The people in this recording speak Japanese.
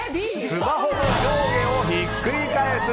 スマホの上下をひっくり返す。